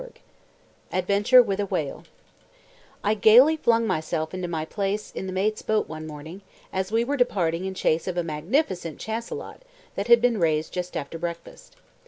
AMIEL ADVENTURE WITH A WHALE I gaily flung myself into my place in the mate's boat one morning, as we were departing in chase of a magnificent cachalot that had been raised just after breakfast.